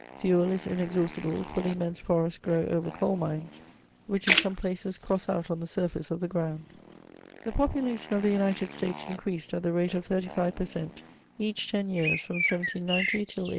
Fuel is inexhaustible, for the immense forests grow over coal mines, which in some places cross out on the snrfaoe of the ground. The population of the United States increased at the rate of 35 per cent, each ten years from 1790 till 1820.